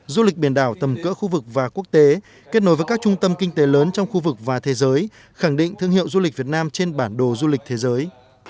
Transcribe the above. du lịch biển đảo tầm cỡ khu vực và quốc tế kết nối với các trung tâm kinh tế lớn trong khu vực và thế giới khẳng định thương hiệu du lịch việt nam trên bản đồ du lịch thế giới